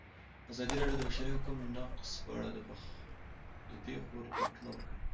ازادي راډیو د د بشري حقونو نقض په اړه د پېښو رپوټونه ورکړي.